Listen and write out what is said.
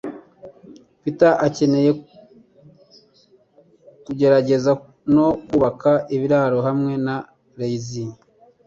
Peter akeneye kugerageza no kubaka ibiraro hamwe na Lizzie